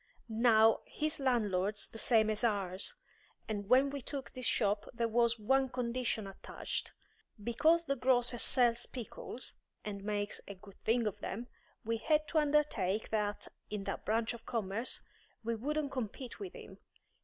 Now, his landlord's the same as ours, and when we took this shop there was one condition attached. Because the grocer sells pickles, and makes a good thing of them, we had to undertake that, in that branch of commerce, we wouldn't compete with him.